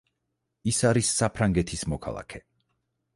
ის არის საფრანგეთის მოქალაქე.